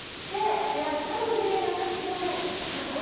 でやっぱりね私ねあっ